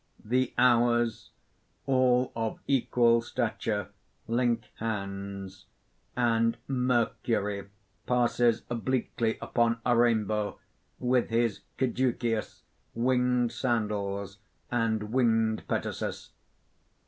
_The Hours, all of equal stature, link hands; and Mercury poses obliquely upon a rainbow, with his caduceus, winged sandals, and winged petasus.